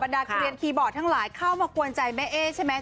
ดาเกลียนคีย์บอร์ดทั้งหลายเข้ามากวนใจแม่เอ๊ใช่ไหม